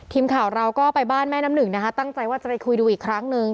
ทีมข่าวเราก็ไปบ้านแม่น้ำหนึ่งนะคะตั้งใจว่าจะไปคุยดูอีกครั้งนึง